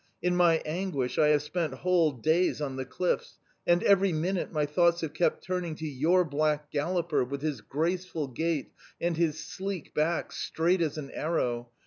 In my anguish I have spent whole days on the cliffs, and, every minute, my thoughts have kept turning to your black galloper with his graceful gait and his sleek back, straight as an arrow.